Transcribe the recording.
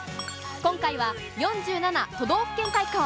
今回は４７都道府県対抗。